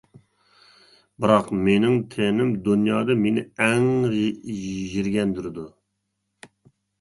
بىراق، مېنىڭ تېنىم دۇنيادا مېنى ئەڭ يىرگەندۈرىدۇ.